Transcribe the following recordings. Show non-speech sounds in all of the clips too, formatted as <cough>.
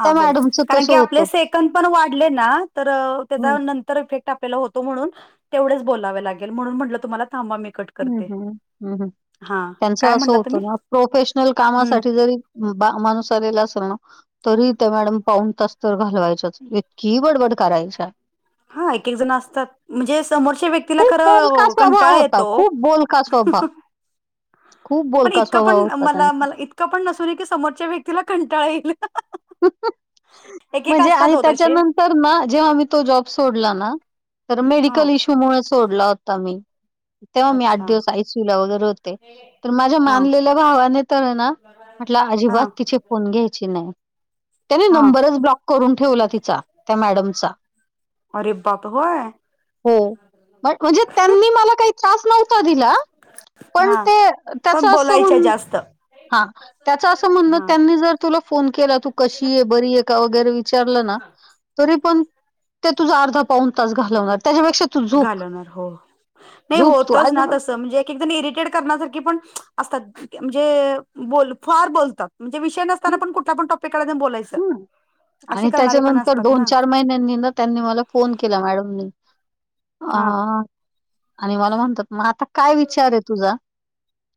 हा त्या बोल, मॅडमचं कारण तसं की आपले होतं. सेकंद पण वाढले ना, तर तेजा हं, <unintelligible> आपल्याला होतो म्हणून तेवढेच बोलावे लागेल, म्हणून म्हटलं तुम्हाला थांबा, मी कट हम्म करते हम्म हं हं, हा काय त्यांचं असं म्हटला तुम्ही होतं ना, प्रोफेशनल हम्म कामासाठी जरी बा माणुस आलेला असेल ना तरी त्या मॅडम पाऊण तास तर घालवायच्याच, इतकी बडबड करायच्या. हा, एक एक जण असतात म्हणजे समोरच्या व्यक्तीला खरं कंटाळा येतो ओ. बोल का स्वभाव. खूप पण बोलका इतकं पण स्वभाव होता मला त्यांचा. मला इतकं पण नसुने की, समोरच्या व्यक्तीला कंटाळा येईल. <unintelligible> म्हणजे असतात आणि हो तसे त्याच्यानंतर ना जेव्हा मी तो जॉब सोडला ना तर, हा मेडिकल इशू मुळे सोडला होता मी, तेव्हा मी आठ अच्छा दिवस आय सी यू ला वगैरे होते. तर माझ्या हा मानलेल्या भावाने तर ना म्हटलं, हा अजिबात तिचे फोन घ्यायचे नाही. त्याने हा नंबरच ब्लॉक करून ठेवला तिचा, त्या मॅडमचा. अरे बाप होय. हो बट म्हणजे त्यांनी मला काही त्रास नव्ह ता दिला पण हा ते त्याच पण अस बोलायच्या हून जास्त हा, त्याच असं म्हणण हा त्यांनी जर तुला फोन केला. तू कशीये? बरी आहे का? वगैरे विचारलं ना, तरी पण ते तुझा अर्धा पाऊन तास घालवणार. त्याच्यापेक्षा तू झोप घालवणार हो. नाही झोप तू होतच ना अजिबात तसं म्हणजे एकेक जण इरिटेट करण्यासारखी पण असतात. म्हणजे बोल फार बोलतात म्हणजे विषय नसताना, पण कुठला पण टॉपिक काढायचं आणि बोलायच. हू आणि त्याच्यानंतर दोन, ना चार महिन्यांनी ना त्यांनी मला फोन केला मॅडमनी आ हा आणि मला म्हणतात, मग आता काय विचार आहे तुझा?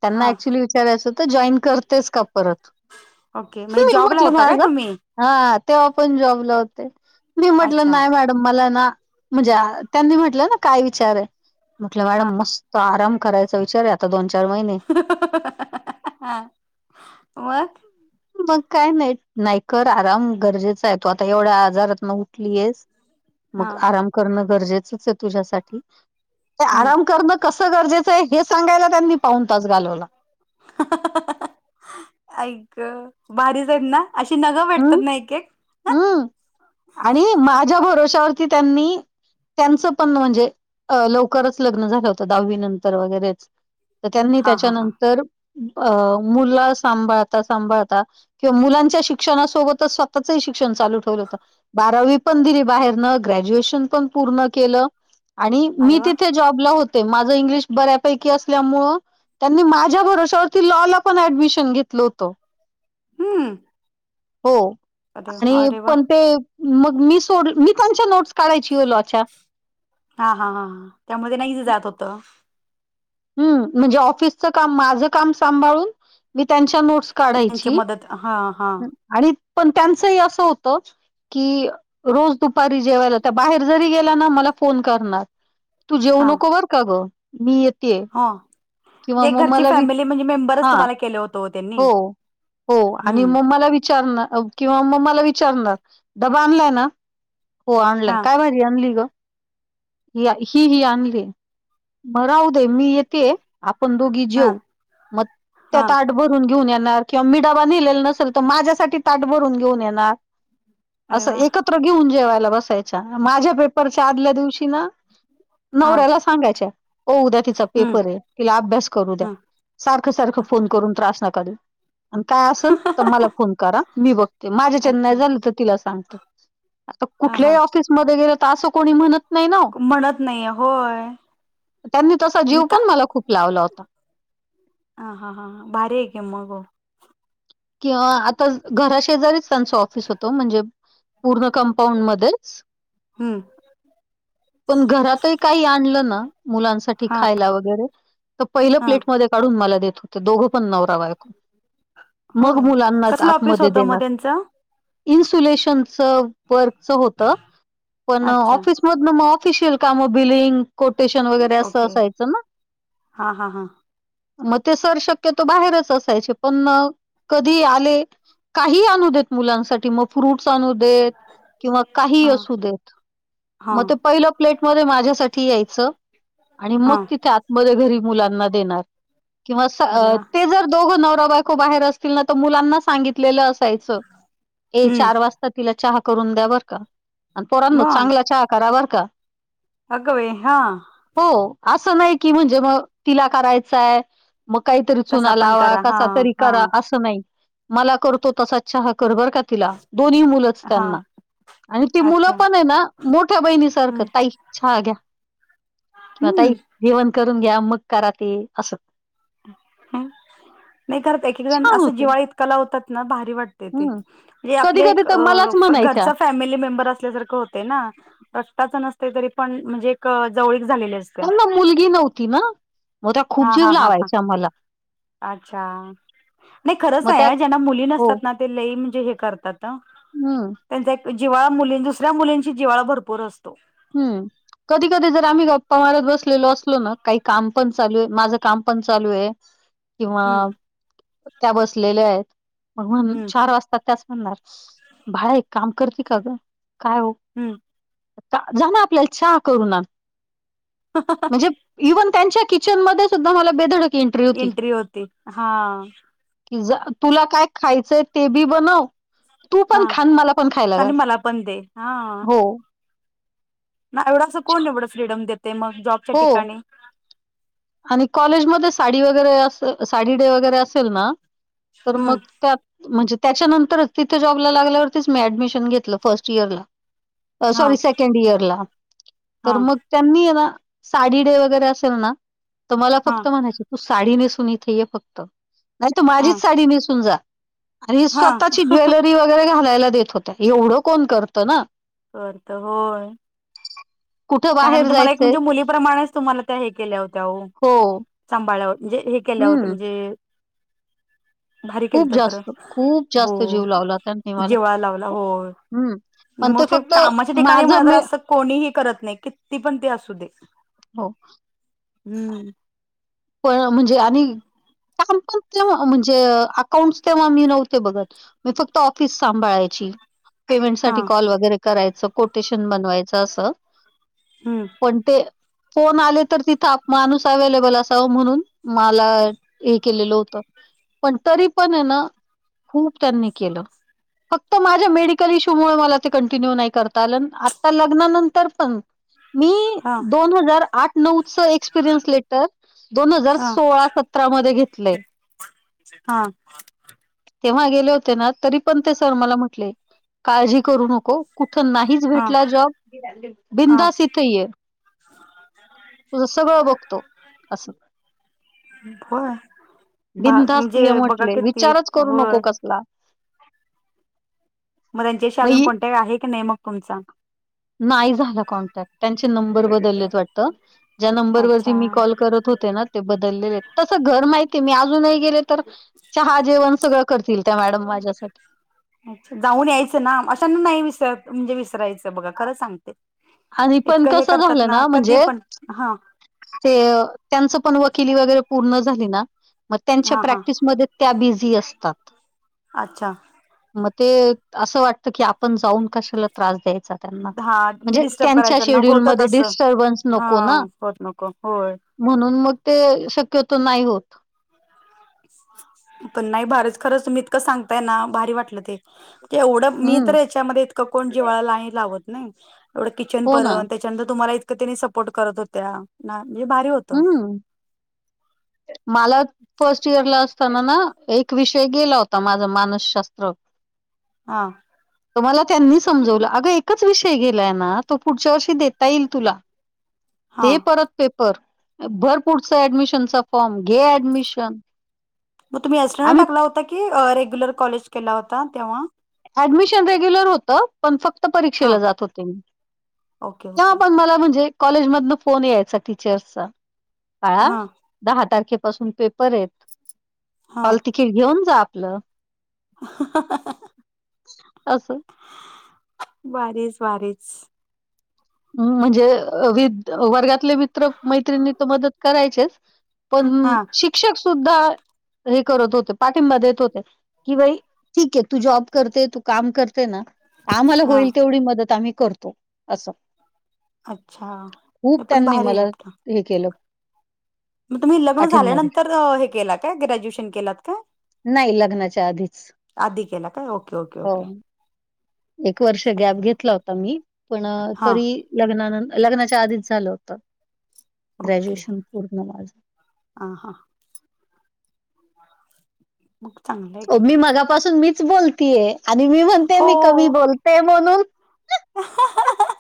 त्यांना हा ऍक्च्युली विचारायचं होत, जॉईन करतेस का परत? ओके, म्हणजे जॉबला होता काय तुम्ही? हा तेव्हा पण जॉबला होते मी म्हटलं अच्छा नाही म मला ना म्हणजे त्यांनी म्हटलं ना काय विचार आहे. म्हटलं मॅडम हा मस्त आराम करायचा विचार आता दोन, चार महिने. हुहू <unintelligible> मग मग काय नाही नाहीकर आराम गरजेचा आहे तो आता एवढ्या आजारातन उठलीयस मग हा आराम करणं गरजेचच आहे तुझ्यासाठी ते हम्म आराम करण कसं गरजेचं आहे हे सांगायला त्यांनी पाऊण तास घालवला. आई ग भारीच आहेत ना अशी नगं हं, भेटतात ना एकेक? हं आणि माझ्या भरोश्यावरती त्यांनी त्यांचं पण म्हणजे अ लवकरच लग्न झालं होतं दहावी नंतर वगैरेच तर त्यांनी हा हा हा त्याच्यानंतर अ मुल सांभाळता, सांभाळता किंवा मुलांच्या शिक्षणासोबतच स्वतःचही शिक्षण चालू ठेवलं होतं. बारावी पण दिली बाहेरनं ग्रॅज्युएशन पण पूर्ण केलं. आणि अरे मी वा तिथे जॉबला होते माझं इंग्लिश बऱ्यापैकी असल्यामुळं त्यांनी माझ्या भरोश्यावरती लॉ ला पण ऍडमिशन घेतलं होत. हम्म. हो अरे आणि अरे वा पण ते मग मी सोड मी त्यांच्या नोट्स काढायची ओ लोच्या. हा हा हा त्यामुळे ना इझी जात होतं. हम्म, म्हणजे ऑफिसचं काम माझं काम सांभाळून मी त्यांच्या नोट्स त्यांची काढायची मदत हा हा आणि पण त्यांचही असं होत कि रोज दुपारी जेवायला त्या बाहेर जरी गेला ना मला फोन करणार. तू जेऊ नको बर का ग मी येतीये. आ म्हणजे एक घरची फॅमिली म्हणजे मेंबरच हा तुम्हाला केल होत ओ त्यांनी. हो हो आणि हम्म मग मला विचारण किंवा मग मला विचारणार डबा आणलाय ना हो आणलाय हा काय भाजी आणली ग ही ही आणली म राहू दे मी येतीये आपण दोघी हा जेऊ मग त्या हा ताटभर भरून घेऊन येणार किंवा मी डाबा नेलेला नसेल तर माझ्यासाठी ताट भरून घेऊन येणार. अरे असं वा एकत्र घेऊन जेवायला बसायच्या माझ्या पेपरच्या आदल्या दिवशी ना हा नवऱ्याला सांगायच्या ओ उद्या तिचा हम्म पेपर आहे तिला अभ्यास करू द्या. हा सारखं, सारखं फोन करून त्रास नका देऊ आणि काय असेल तर मला फोन करा मी बघ ते माझं चॅन नाही अच्छा झालं तर तिला सांगते आता हा हा कुठल्याही ऑफिसमध्ये गेलं तर असं कोणी म्हणत नाही नव म्हणत नाही होय त्यांनी तसा मग जीव का पण मला खूप लावला होता. ह हा हा भारी आहे की मग हो. <unintelligible> आता घराशेजारीच त्यांच ऑफिस होतो म्हणजे पूर्ण कंपाऊंड मध्येच. हम्म. पण घरातही काही आणलं ना मुलांसाठी हा खायला वगैरे तर पहिलं हा प्लेट मध्ये काढून मला देत होते, दोघं पण नवरा व बायको. मग होय मुलांना च कसलं ऑफिस आतमध्ये होतं मग देणार. त्यांचं इन्सुलेशनच वर्च होत पण अच्छा ऑफिस मग ना म ऑफिशियल काम बिलिंग कोटेशन वगैरे असं ओके असायचं ना. हा हा हा मग ते सर शक्यतो बाहेरच असायचे पण मग कधी आले, काही आणू देत मुलांसाठी मग फ्रूट्स आणू दे किंवा काही हा असू देत, हा मग ते पहिलं प्लेट म माझ्यासाठी यायचं, आणि हा मग तिथे आतमध्ये घरी मुलांना देणार. किंवा अरे वा ते अस जर दोघं नवरा बायको बाहेर असतील तील ना तर मुलांना सांगितलेलं असायचं, ए हम्म चार वाज ता, तिला चहा करून द्या बरं का, आन् पोरांनो मग चांगला चहा करा बरं का. अगं बइ, हां हो असं नाही की म्हणजे म तिला करायचाय म काहीतरी चुना कसा पण लावा, करा हा कसा तरी हा करा असे त नाही, मला करतो तसाच चहा कर बरं का तिला, दोन्ही मुलंच हा त्यांना. आणि ती मुलं अच्छा पण ये ना मोठ्या बहिणीसारखं हम्म ताई छहा घ्या. किंवा हम्म, ताई जेवण करून घ्या, मग करा ते असं. हा, मी करते की छान <unintelligible> होतं. जिवाळा इतका लावतात ना भारी वाटते हम्म ते कधी आपले कधी एक, तर मलाच म्हणायच्या घरचाचं फॅमिली मेंबर असल्या सारखं होतंय ना, रक्ताच नसतोय तरी पण म्हणजे एक जवळीक झालेले असते. त्यांना मुलगी नव्हती ना, मग त्या खूप हा जीव हा हा हा. लावायच्या मला. अच्छा, नाही खरंच मग त्या आहे, ज्यांना मुली नसतात ना ते लई म्हणजे लैय करतात हं. हं, त्यांचा एक जिवाळा मुली, दुसऱ्या मुलींशी जिवाळा भरपूर असतो. हम्म, कधी- कधी जर आम्ही गप्पा मारत बसलेलो असलो ना, काही काम पण चालू आहे, माझं काम पण चालू आहे. <inaudible> किंवा त्या बसलेल्या आहेत मग म्हणुन हम्म चार वाजताच. हो ना, बाळा एक काम करती का गं, काय ओ? हम्म, जा, जाना आपल्याला चहा करून आन. हा, हा, हा, म्हणजे इव्हनं त्यांच्या किचन मध्ये सुद्धा मला बे धडक एंट्री होती, हा. कि जा तुला काय खायचंय ते बी बनव तू पण हा. खा अन् मला पण खायला आणि घाल, मला पण दे हा. हो ना एवढासा अस कोण एवढ फ्रीडम देतय मग ज हो, आणि कॉलेजमध्ये साडी वगैरे असे साडी डे वगैरे असेल ना तर मग हम्म त्या म्हणजे त्याच्यानंतरच तिथे जॉबला लागल्या वरतीच मी ऍडमिशन घेतल फर्स्ट इयरला. अं हा सॉरी सेकंड इयर ला, हा तर मग त्यांनी ये ना साडी डे वगैरे असेल ना, तर मला हा फक्त म्हणायचे तू साडी नेसून इथे ये फक्त. नाही तू हा. माझीच साडी नेसून जा, आणि हा. स्वतःची ज्वेलरी वगैरे घालायला देत होत हे एवढं कोण करत ना. करतं, होय. कुठं त्यांनी बाहेर तुम्हाला एक जायचंय म्हणजे मुलीप्रमाणेच तुम्हाला त्या हे केल्या होत्या ओ हो. सांभाळल्यावर म्हणजे हे केलं होतं हं, म्हणजे भारी खूप केलतं खरं जास्त, खूप हो जास्त जीव लावला त्यांनी मला. जिव्हाळा लावला होय. हं, पण ते मोस्टली फक्त कामाच्या ठिकाणी मला माझं तर मी असं कोणीही करत नाही की ती पण ते असू दे हो, हम्म् होय म्हणजे आणि काम पण तेव्हा म्हणजे अकाउंट्स तेव्हा मी नव्हते बघत मी फक्त ऑफिस सांभाळायची पेमेंट हा साठी कॉल वगैरे करायचं कोटेशन बनवायचं असं हम्म पण ते फोन आले तर तिथं माणूस अव्हेलेबल अस तं म्हणून मला हे केलेलं होतं पण तरी पण हे ना खूप त्यांनी केलं. फक्त माझ्या मेडिकल इशू मुळं मला ते कंटिन्यू नाही करता आलं आता लग्नानंतर पण मी हा आठ नऊच एक्सपिरियन्स लेटर दोन हजार हा सोळा सतरा मध्ये घेतलंय हा तेव्हा गेले होते ना तरी पण ते सर मला म्हटले काळजी करू नको कुठं नाहीच हा भेटला जॉब हा बिंदास इथं ये तूझं सगळ बघतो. असं. होय भा बिनधास्त ये म्हणजे बघा म्हटले कि ती विचारच करू होय नको कसला मग त्यांच्याशी अजून कॉन्टॅक्ट आहे की नाही मग तुमचा? नाही झाला कॉन्टॅक्ट त्यांचे नंबर बदललेत वाटतं ज्या नंबर वरती मी अच्छा. कॉल करत होते ना ते बदललेले तस घर माहिती मी अजूनही गेले तर चहा जेवण सगळं करतील त्या मॅडम माझ्यासाठी अच्छा जाऊन यायचं ना अशांना नाही विसर म्हणजे विसरायच बघा खरं सांगते आणि पण इतकं हे कसं करतात झालं ना कधी म्हणजे पण हा ते त्यांचं पण वकिली वगैरे पूर्ण झाली ना मग त्यांच्या हा हा प्रॅक्टिसमध्ये त्या बिझी असतात. अच्छा मग ते असं वाटतं की आपण जाऊन कशाला त्रास द्यायचा त्यांना. हा म्हणजे डिस्टर्ब करायच त्यांच्या त्यांना होतं शेड्यूलमध्ये तसं डिस्टर्बन्स हा नको ना. होत नको होय म्हणून मग ते शक्यतो नाही होत. पण नाही भारत खरच तुम्ही इतक सांगताय ना भारी वाटलं ते तेवढ मी हम्म तर हेच्यामध्ये इतक कोण जिव्हाळा नाही लावत नाही एवढ किचन हो ना पर्यंत ते त्याच्यानंतर तुम्हाला इतक त्यांनी सपोर्ट करत होत्या ना म्हणजे भारी होतं हम्म <inaudible> मला फर्स्ट इयर ला असताना ना एक विषय गेला होता माझा मानसशास्त्र हा त मला त्यांनी समजवलं अगं एकच विषय गेलाय ना तो पुढच्या वर्षी देता येईल तुला. <inaudible> हा दे परत पेपर भर पुढचा ऍडमिशनचा फॉर्म घे ऍडमिशन. मग तुम्ही <unintelligible> आम्ही टाकला होता की रेग्युलर कॉलेज केला होता तेव्हा. ऍडमिशन रेग्युलर होतं. पण फक्त हा परीक्षेला जात होते मी, ओके हा ओके पण मला म्हणजे कॉलेज मधन फोन यायचा टीचर्सचा, आ हा दहा तारखेपासून पेपर आहेत, हा हॉल तिकीट घेऊन जा आपलं. <unintelligible> असं भारीच, भारीच. हम्म म्हणजे वि वर्गातले मित्र मैत्रिणी तर मदत करायचेच हा पण शिक्षक सुद्धा हे करत होते पाठिंबा देत होते. की बाई ठीक आहे तू जॉब करते तू काम करते ना तर आम्हाला हा होईल तेवढी मदत आम्ही करतो असं अच्छा. खूप नाही पण त्यांनी भारी मला आहे आपलं हे केलं मग तुम्ही लग्न पाठिंबा दिला. झाल्यानंतर हे केल काय ग्रॅज्युएशन केलत काय? नाही लग्न आधी केल काय ओके ओके ओके. एक वर्ष गॅप घेतली आता मी पण हा तरी लग्नानंत लग्नाच्या आधीच झालं होत ग्रॅज्युएशन पूर्ण माझं हा हा. मग चांगल मी मागापासून मीच बोलतीये आणि मी म्हणते हो मी कमी बोलते म्हणून. <unintelligible>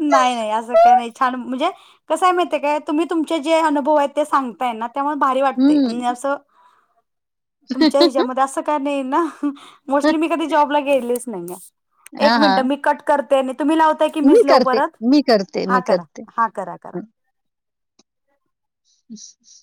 नाही नाही असं काही नाही छान म्हणजे कसय माहितिय काय तुम्ही तुमचे जे अनुभव आहेत ते सांग ताय ना त्यामुळे भारी वाटतय आणि हम्म. अस तुमच्या ह्याचमधे अस त्यामुळेना मोस्टली मी कधी जॉबला गेलीच नाहीये, हा, एक मिनट हा. मी कट करते आणि तुम्ही लावताय की मी मीच लाऊ करते, परत, मी करते, हा मी करा करते. हा करा करा. <inaudible>